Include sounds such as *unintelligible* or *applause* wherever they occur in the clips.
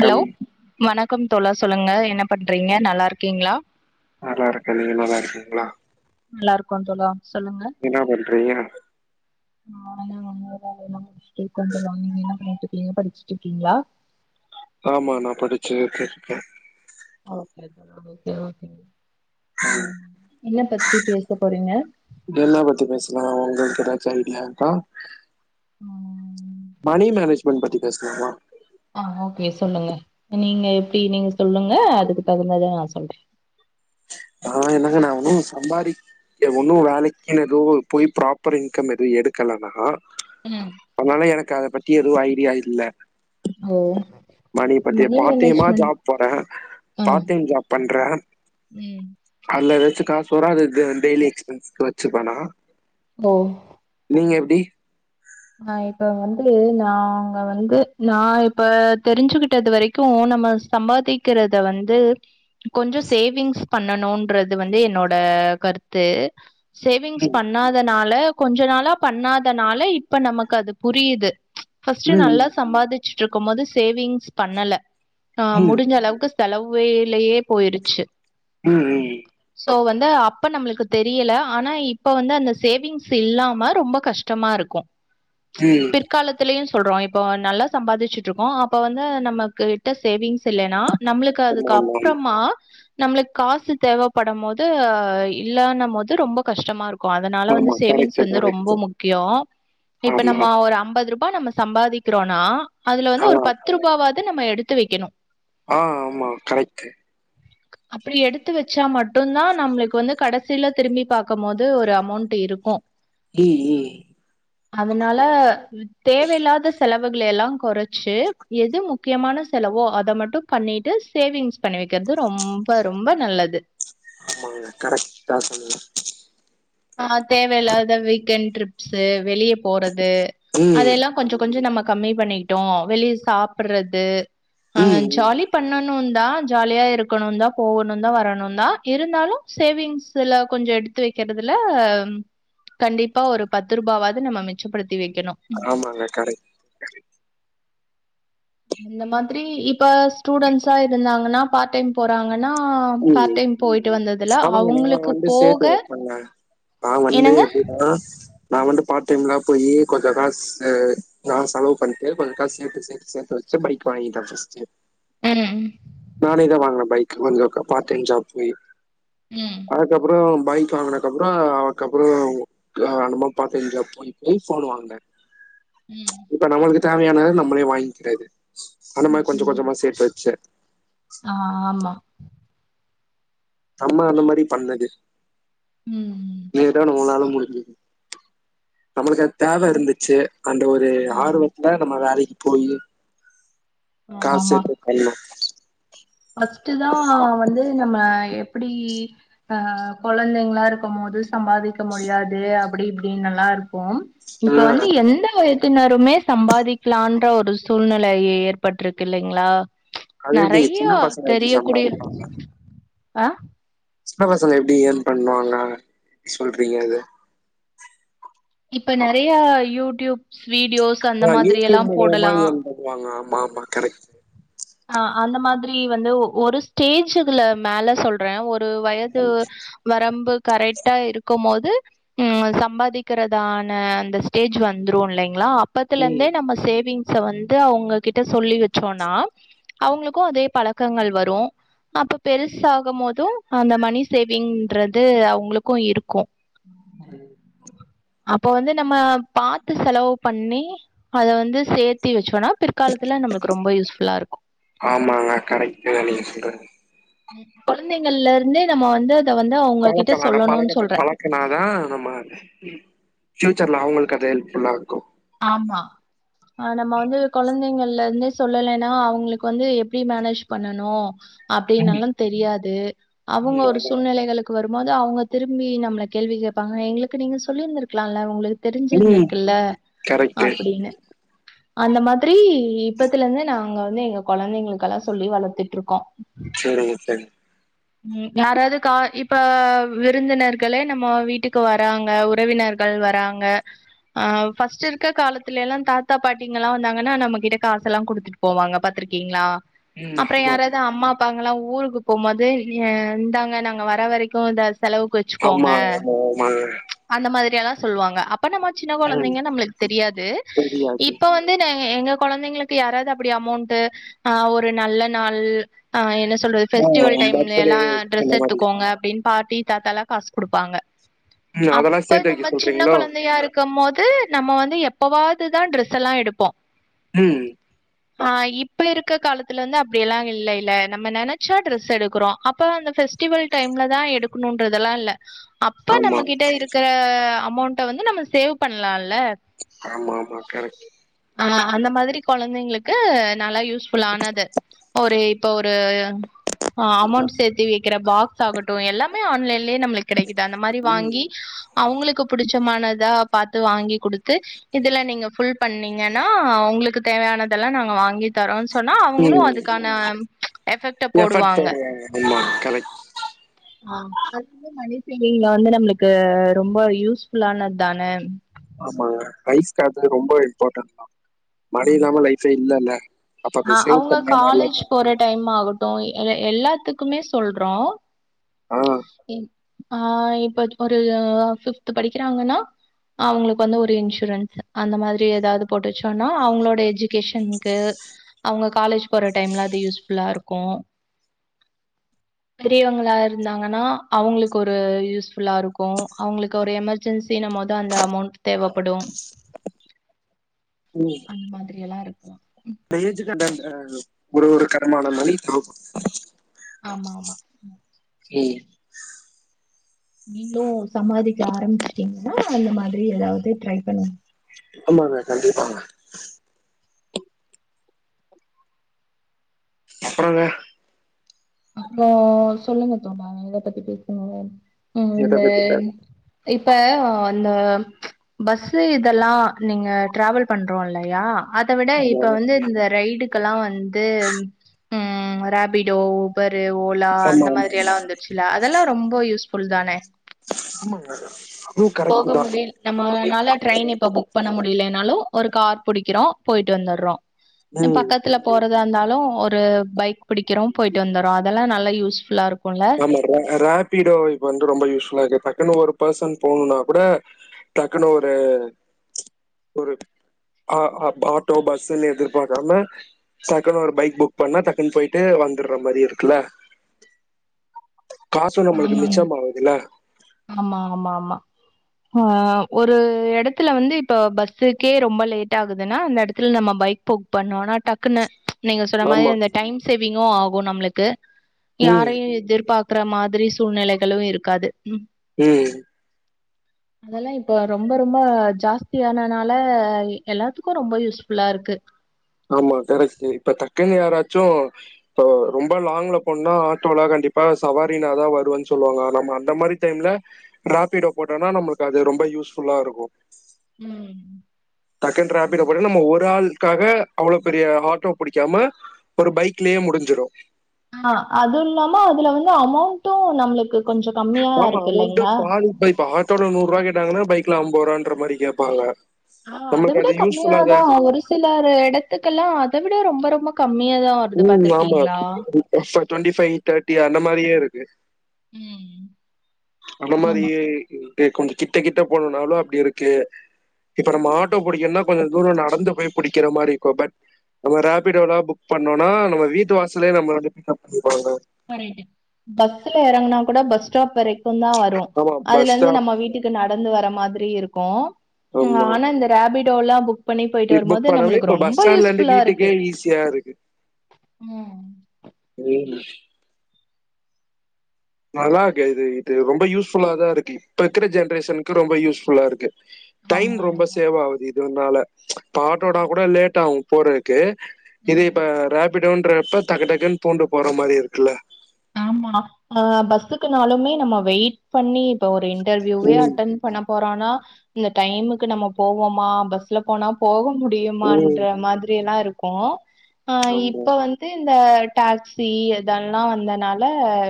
Hello வணக்கம் தோழா சொல்லுங்க என்ன பண்றீங்க நல்லா இருக்கீங்ளா நல்லா இருக்கே நீங்க நல்லா இருக்கீங்ளா நல்லா இருக்கோ தோழா சொல்லுங்க என்னா பண்றீங்க நானு வந்து வேலைலா முடுச்ட்டு உக்காந்துருக்கோம் நீங்க என்னா பண்ணிட்டுருக்கிங்க படிச்சுட்டு இருக்கீங்ளா ஆமா நான் படிச்சுட்ருக்கே ஆ என்ன பத்தி பேச போறீங்க என்ன பத்தி பேசலா உங்களுக்கு ஏதாச்சு ஐடியாருக்கா ம் மணி மேனேஜ் போன் பத்தி பேசலாமா ஆ ஓகே சொல்லுங்க நீங்க எப்டி நீங்க சொல்லுங்க அதுக்கு தகுந்தத நான் சொல்றே ஆ நா என்னங்க நான் ஒண்ணும் சம்பாரிக் க ஒன்னு வேலைக்குன்னு எது போய் ப்ராப்பர் இன்கம் எது எடுக்கலனா அதனால எனக்கு அத பத்தி எதுவு ஐடியா இல்ல ஓ மணி பத்தி பார்ட் டைமா ஜாப் போறே ஆ பார்ட் டைம் ஜாப் பண்றே ம் அதுல்ல எதாச்சு காசு வரு அது டெய்லி எக்ஸ்பென்ஸ்கு வச்சுப்பேனா ஓ நீங்க எப்டி ஆ இப்ப வந்து நாங்க வந்து நான் இப்ப தெரிஞ்சுகிட்டது வரைக் க்கு நம்ம சம்பாதிக்கிறத வந்து கொஞ்ச சேவிங்ஸ் பண்ணனுன்றது வந்து என்னோட கருத்து சேவிங்ஸ் ம் பண்ணாதனால கொஞ்ச நாளா பண்ணாதனால இப்ப நமக்கு அது புரியுது ஃபர்ஸ்ட்டு ம் நல்லா சம்பாதிச்சுட்டு இருக்கும்போது சேவிங்ஸ் பண்ணல அ ம் முடிஞ்ச அளவுக்கு செலவுலயே போய்ருச்சு ம் சோ வந்து அப்ப நம்மளுக்கு தெரியல ஆனா இப்ப வந்து அந்த சேவிங்ஸ் இல்லாம ரொம்ப கஷ் டமா இருக்கு ம் பிற்காலத்துலயு சொல்றோ இப்போ நல்லா சம்பாதிச்சுட்டுருக்கோ அப்ப வந்து நமக்கு கிட்ட சேவிங்ஸ் இல்லன்னா நம்பளுக்கு ஆமா அதுக்கு ஆமா ஆமா. அப்றமா நம்மளுக் காசு தேவைப்படும் போது இல்லனு போது ரொம்ப கஷ்டமா இருக் கோ அதனால வந்து ஆமா கரெக்ட் சேவிங்ஸ் வந்து கரெக்ட் ரொம்ப முக்கியோ இப்ப ஆமா நம்ப ஒரு ஐம்பது ரூபா நம்ப சம்பாதிக்கிறோனா அதுல ஆ வந்து ஒரு பத் து ரூபாவது நம்ம எடுத்து வைக்கணு ஆ ஆமா கரெக்ட்டு அப்படி எடுத்து வச்சா மட்டுதா நம்பளுக்கு வந்து கடைசியில திரும்பி பார்க்கும் போது ஒரு அமௌண்ட் இருக் கு ம் ம் அதனால தேவையில்லாத செலவு கள் எல்லா கொறச்சு எது முக்கியமான செலவோ அத மட்டு பண்ணிட்டு சேவிங்ஸ் பண்ணி வைக்கிறது ரொம்ப ரொம்ப நல்லது ஆமாங்க கரக்ட்டா சொன்னீங்க ஆ தேவையில்லாத வீக்கெண்ட் ட்ரிப்ஸ்சு வெளிய போறது ம் அதெல்லா கொஞ்ச கொஞ்சோ நம்ம கம்மி பண்ணிட்டோ வெளிய சாப்பர்றது அ ம் ம். ஜாலி பண்ணணு தா ஜாலியா இருக்கணு௱தா போகணு தான் வரணும் தா இருந்தாலும் சேவிங்ஸ் இதுல கொஞ்சோ எடுத்து வைக் கிறதுல கண்டிப்பா ஒரு பத்து ரூபாவது நம்ப மிச்சப்படுத்தி வைக்கணு ஆமாங்க கரெக்ட் கரெக்ட் அந்த மாதிரி இப்ப ஸ்டூடெண்ட்ஸா இருந்தாங்கன்னா பார்ட் டைம் போகறாங்கன்னா பார்ட் ம் டைம் போயிட்டு வந்ததுல அவுங்களுக்கு போக ஆமாங்க நா வந்து என்னங்க? எப்புன்னா நா வந்து பார்ட் டைம்லா போயி கொஞ்ச காசு நா செலவு பண்ணிட்டு கொஞ்ச காசு சேத்து சேத்து சேத்து வச்சி பைக் வாங்கிட்ட ஃபர்ஸ்ட்டு ம் நானே தா வாங்குன பைக் கொஞ்சோ பார்ட் டைம் ஜாப் போய் ம். அதுக்கப்றோ பைக் வாங்குன அதுக்கப்றோ அதுக்கப்றோ அந்த மாரி பார்ட் டைம் ஜாப் போய் போய் போன் வாங்குன ம் இப்ப நம்பளுக்கு தேவையானத நம்பளே வாங்கிறது அந்த மாரி கொஞ்ச ம்ஹ்ம். கொஞ்சமா சேர்த்து வச்சி ஆ ஆமா நம்ப அந்த மாரி பண்ணது ம். ஏதோ நம்பலாலா முடிஞ்சது நம்மளுக்கு அது தேவ இருந்துச்சி அந்த ஒரு ஆ ஆர்வத்துல நம்ம வேலைக்கி போயி காசு ஆமாமா. சேத்து பன்னோ ஃபர்ஸ்ட்டு தா வந்து நம்ம எப்டி அ கொழந்தைங்களா இருக்கும் போது சம்பாதிக்க முடியாது அப்படி இப்படின்லா இருக்கு இப்ப ஆஹ் வந்து எந்த வயத் தினருமே சம்பாதிக்கலான்னு ஒரு சூழ்நிலை ஏற்பட்டிருக்கு இல்லைங்ளா அது எப்புடிங்க சின்ன பசங்க எப்படி தெரியக்கூடிய சம்பாதிப்பாங்க அ சின்ன பசங்க எப்டி ஈயான் பண்ணுவாங்க சொல்றீங்க அது இப்ப நெறைய யூடியூப்ஸ் வீடியோஸ் அந்த மாதிரி எல்லா போடலா ஆமாங்க ஆமா ஆமா கரைக்ட் ஆ அந்த மாதிரி வந்து ஒ ஒரு ஸ்டேஜ் இதுல மேல சொல் றே ஒரு வயது வரம்பு கரைக்ட்டா இருக்கும் போது ம் சம்பாதிக்கிறதான அந்த ஸ்டேஜ் வந்துரு இல்லைங்ளா ம் இப்பத்லருந்தே நம்ப சேவிங்ஸ்ச வந்து அவுங்க கிட்ட சொல்லி வச்சோனா அவங்களுக்கு அதே பழக்கங்கள் வரு அப்ப பெருச ஆகும் போது அந்த மணி சேவிங்ன்றது அவங்களுக்கு இருக்கு ம் அப்போ வந்து நம்ம பாத்து செலவு பண்ணி அத வந்து சேத்தி வச்சோனா பிற்காலத்துல நம்ளுக்கு ரொம்ப யூஸ்ஃபுல்லா இருக்கு ஆமாங்க கரெக்டு தா நீங்க சொல்றது குழந்தைங்கள்ல இருந்தே நம்ம வந்து அத வந்து அவங்ககிட்ட சொல்லணுனு சொல்றே க்னாதா நம்ம ப்ஃயூச்சர்ல அவங்களுக்கு அது ஹெல்ப்ஃபுல்லா இருக்கு ஆமா அது நம்ம வந்து குழந்தைங்கள்ல இருந்து சொல்லலைன்னா அவங்களுக்கு வந்து எப்டி மேனேஜ் பண்ணனு ம், அப்டின்னல்லா தெரியாது அவுங்க ம், ஒரு ஆமா. சூழ்நிலைகளுக் கு வரும்போது அவுங்க திரும்பி நம்ள கேள்வி கேட்பாங்க எங்களுக்கு நீங்க சொல்லிருந்திருக்கலால உங்களு ம் தெரிஞ்சிருந்திருக்குல்ல கரெக்ட் அப்டின்னு அந்த மாதிரி இப்பத்துல இருந்தே நாங்க வந்து எங்க குழந்தைங்களுக்கெல்லாம் சொல்லி வளத்துட்டு இருக்கோ சேரிங்க சேரிங் ம் யாராவது கா இப்ப விருந்தினர்களே நம்ம வீட்டுக்கு வராங்க உறவினர் கள் வராங்க ஆ ஃபர்ஸ்ட் இருக்கற காலத்துலல்லா தாத்தா பாட்டிங்லா வந்தாங்கன்னா நம்மகிட்ட காச எல்லா குடுத்துட்டு போவங்க பாத்திருக்கீங்ளா ம் அப்ற ஆமா யாராவது அம்மா அ ப்பாங்கல்லா ஊருக்கு போகும்போது இருந்தாங்க நாங்க வர வரைக்கு இத செலவுக்கு வச் சுகோங்க ஆமா ஆமா ஆமாங்க அந்த மாதிரி எல்லா சொல்லுவாங்க அப்ப நம்ம சின்ன ம் குழந்தைங்க தெரியாது இப்போ தெரியாது இப்ப வந்து நாங் எங்க குழந்தைங்களுக்கு யாராவது அப்டி அமோண்ட்டு ஆ ஒரு நல்ல நாள் ஆ என்ன சொல்றது பெஃபஸ்டிவல் டைம்ல பர்த்டே எல்லா ட்ரெஸ் அந்த மாதிரி எடுத்துக்கோங்க அப்டினு பாட்டி தாத்தாலா காசு குடுப்பாங்க ம் அதெல்லாம் அப்ப சேர்த்து வைக்க நம்ம சின்ன சொல்றீங்களோ குழந்தையா இரு க்கு போது நம்ம வந்து எப்பவாதுதா ட்ரெஸ் எல்லா எடுப்போ ம் ஆ இப்ப இருக்க காலத்துல வந்து அப்டி எல்லா இல்லைல நம்ம நெனைச்சா ட்ரெஸ் எடுக்றோ அப்ப அந்த பெஃஸ்டிவல் டைம்ல தா எடுக்கணுன்றதெல்லா இல்ல அப்ப ஆமா நம்ம கிட்ட இருக்கற அமௌண்ட்ட வந்து நம்ம சேவ் பண்லால்ல ஆமா ஆமா கரெக்ட் ஆ அந்த மாதிரி குழந்தைங்களுக்கு நல்லா யூஸ் ஃபுல்லானது ஒரு இப்ப ஒரு ஆ அமௌண்ட் சேத்தி வைக்கிற ஃபக்ஸ் ஆகட்டு எல்லாமே ஆன்லைன்லயே நம்ளுக் கெடைக்குது அந்த மாதிரி வாங்கி ம் அவுங்களுக்கு பிடிச்சமானதா பாத்து வாங்கிக் குடுத்து இதுல நீங்க ஃபுல் பண்ணீங்கன்னா உங்களுக்கு தேவையானதெல்லா நாங்க வாங்கிக் தரோனு சொன்னா அவுங்களு அதுக்கான எஃபெட் போடுவாங்க அதிமா கரைட் அ அது வந்து மணி சேவிங்ல வந்து நம்முளுக்கு ரொம்ப யூஸ்ஃபுல்லானத் தான. ஆமா ரைஸ்க்கு அது ரொம்போ இம்பாட்டன்ட் தா. மழ இல்லாம லைஃபே இல்லல்ல. அப்ப அத அ சேவ் அவுங்க பண்ண காலேஜ் நல்லது போற டைம் ஆக ட்டு எல எல்லாத்துக்குமே சொல்றோ ஆ இன் ஆ இப்பத் ஒரு ஃபிஃப்த்து படிக்கிறாங்கன்னா அவுங்களுக்கு வந்து ஒரு இன்சூரன்ஸு அந்த மாதிரி எதாவ்து போட்டு வெச்சோன்னா அவுங்ளோட எஜுகேஷன்க்கு அவுங்க காலேஜ் போற டைம்ல அது யூஸ்ஃபுல்லா இருக்கு. *unintelligible* பெரியவங்களா இருந்தாங்கனா அவுங்களுக்கு ஒரு யூஸ்ஃபுல்லா இருக்கு அவுங்களுக்கு ஒரு எமர் ஜென்சினா மொத அந்த அமௌண்ட் தேவைப்படு. அந் மாதிரி எல்லா இரு ந்த ஏஜுக் கர்ட்டா இந்த அ ஒரு ஒரு கரமானம் மளிக செலவு ஆமாமா. ம். நீங்ளு சம்பாதிக்க ஆரம்பிச்சிட்டீங்கனா அந்த மாதிரி எதாவது ட்ரை பண்ணு ஆமாங்க கண்டிப்பாங்க. அப்பறங்க? அப்றோ சொல்லுங்க தோழா எத பத்தி பேசனிங்கன் ம் எத இந்த பத்தி பேச இப்ப அந்த பஸ்சு இதெல்லா நீங்க டிராவல் பண்றோல்லையா? அத விட ஹலோ இப்ப வந்து இந்த ரைடுக்கெல்லா வந்து ம் ரேபிடோ பரு, ஓலா ஆமா அந்த ஆமா மாரி எல்லா வந்துட்ச்சுல்ல அதெல்லா ரொம்போ யூஸ்ஃபுல் தானே. ஆமங் *inaudible* போக முடில் நம்மனால டரெயின் இப்ப புக் பண்ண முடிலனாலு ஒரு கார் புடிக்கிறோ போயிட்டு வந்தர்றோ எ ம் பக்கத்ல போறதாந்தாலு ஒரு பைக் பிடிக்கிறோ போயிட்டு வந்தர்றோ அதெல்லா நல்லா யூஸ்ஃபுல்லா இருக்குல்ல. ர ரேபிடோ இப்போ வந்து ரொம்ப யூஸ்ஃபுல்லாக்கு டக்குனு ஒரு பெசன் போணுன்னா கூட டக்குனு ஒரு ஒரு அ அப் ஆட்டோ பஸ்ன்னு எதிர்பார்க்காம டக்குனு ஒரு பைக் புக் பண்ணா டக்குன் போயிட்டு வந்துர்ற மாரி இருக்குல்ல. காசு நம்மளுக்கு ஆமாங்க மிச்சம் ஆவுதுல்ல. ஆமா ஆமா ஆமா. அ ஒரு எடத்துல வந்து இப்போ பஸ்ஸுக்கே ரொம்பொ லேட் ஆகுதுன்னா அந்த எடத்துல் நம்ம பைக் புக் பண்னோனா டக்குன்னு நீங்க சொன்ன மாரி ஆமா அந்த டைம் சேவிங்கு ஆகு நம்முளுக்கு ம் யாரையு எதிர்பாக் ற மாதிரி சூழ்நிலைகளு இருக்காது. ம். அதெல்லா இப்ப ரொம்போ ரொம்போ ஜாஸ்தியானனால எல்லாத்துக்கு ரொம்போ யூஸ்ஃபுல்லாருக்கு. ஆமா கரெக்ட்டு இப்ப டக்குன் யாராச்சு ப்போ ரொம்ப லாங்ல போன்னா ஆட்டோல கண்டிப்பா சவாரினாதா வருவன் சொல்லுவாங்க நம்ம அந்த மாரி டைம்ல ராப்பிடோ போட்டோன்னா நம்மளுக்கு அது ரொம்பொ யூஸ்ஃபுல்லா இருக்கு. ம் ம். டக்குன் ராபிடோ ஆமா. போட்டா நம்ம ஒரு ஆள்க்காக அவ்ளோ பெரிய ஆட்டோ புடிக்காம ஒரு பைக்லியே முடிஞ்சிரு. ஆ அது இல்லாம அதுல வந்து அமௌண்ட்டூ நம்ளுக்கு கொஞ்சோ கம்மியா ஆமா இருக்கு அமௌண்ட்டு இல்லைங்ளா பாதி இப்ப இப்ப ஆட்டோல நூறுவா கேட்டாங்கன்னா பைக்ல அம்பது ரூபான்ற மாரி கேப்பாங்க ஆ நம்மளுக்கு அதவிட அது யூஸ்ஃபுல்லா தா கம்மியாதா இருக்கு. ஒரு சி சிலரு எடத்துக்கெல்லா அத விட ரொம்ப ரொம்ப கம்மியாதா வருது பாத்துருக்கீங்ளா ஊஃபர் டுவெண்ட்டி ஃபைவ் தேர்டி அந்த மாரியே இருக்கு ம். அந்த ஆமா. மாரியே டே கொஞ்சோ கிட்ட கிட்ட போனுன்னாலு அப்டி இருக்கு இப்ப நம்ம ஆட்டோ புடிக்குன்னா கொஞ்சோ தூரோ நடந்து போய் புடிக்கிற மாரி இருக்கூ பட் நம்ம ராபிட்டோலா புக் பண்னோனா நம்ம வீட்டு வாசலே நம்மள வந்து பிக் அப் பண்ணிப்பாங்க கரெட்டு பஸ்ல எறங்குனா கூட பஸ் ஸ்டாப் வரைக்கு தா வரு ஆமா பஸ் அதுலருந்து ஸ்டாப் நம்ம வீட்டுக்கு கு நடந்து வர மாத்ரி இருக்கூ ஆமா. ஆனா இந்த ராபிடோலா புக் பண்ணி போயிட்டு புக் வரும்போது பண்ணவே நம்மளுக்கு ரொம்ப யூஸ்ஃபுல்லாருக்கு கு ம் *unintelligible* நல்லா இருக்கு இது இது ரொம்ப யூஸ்ஃபுல்லா தாருக்கு இப்ப இருக்கிற ஜென்ரேஷனுக்கு ரொம்ப யூஸ்ஃபுல்லா இருக்கு டைம் ஆமா, ரொம்ப ஆமா. சேவ் ஆவுது இதுனால இப்போ ஆ. ஆட்டோனா கூட லேட் ஆவு போறதுக்கு இது ம். இப்ப ரேபிடோன்றப்ப டக்கு டக்குன் பூந்து போற மாரி இருக்குல்ல ஆமா அ பஸ்ஸுக்குனாலுமே நம்ம வெயிட் பண்ணி இப்ப ஒரு இன்டர்வியூவே ம். அட்டன் பண்ண போறோனா இந்த டைமுக்கு நம்ம போவோமா பஸ் ள்ள போனா போக ம். முடியுமான்ற மாதிரி எல்லா இருக்கூ அ ஆமா. இப்ப வந்து இந்த டாக்சி இதெல்லா வந்தனால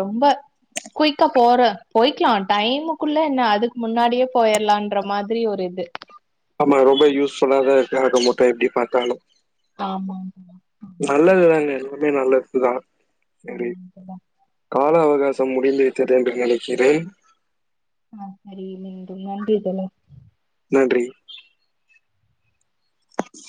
ரொம்ப குயிக்கா போற போயிக்லா டைமுக்குள்ள என்ன அதுக்கு முன்னாடியே போயிரலான்ற மாதிரி ஒரு இது ஆமா ரொம்ப யூஸ்ஃபுல்லாதா இருக்கு ஆக மொத்தொ எப்டி பாத்தாலு ஆமா ஆமா. நல்லதுதாங்க எல்லாமே நல்லதுதா செரி ஆமாங்க தோழா. கால அவகாசம் முடிந்து விட்டது என்று நினைக்கிறேன் ஆ செரி மீண்டும் நன்றி தோழா நன்றி *inaudible*